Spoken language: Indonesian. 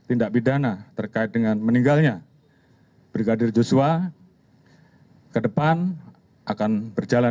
untuk najlepokan significant personel dan pemeriksaan